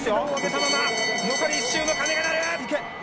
残り１周の鐘が鳴る。